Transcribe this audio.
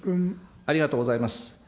ありがとうございます。